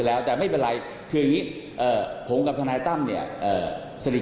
เขาไม่ได้มี